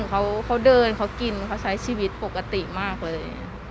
เขาเดินเขากินเขาใช้ชีวิตปกติมากเลย